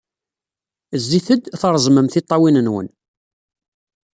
Zzit-d, treẓmem tiṭṭawin-nwen.